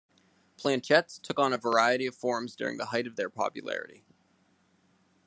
Planchettes took on a variety of forms during the height of their popularity.